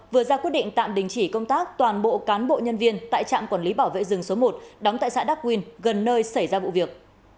vừa ra quyết định tạm đình chỉ công tác toàn bộ cán bộ nhân viên tại trạm quản lý bảo vệ rừng số một đóng tại xã đắk nguyên gần nơi xảy ra vụ việc